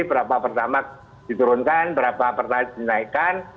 berapa pertama diturunkan berapa pertama dinaikkan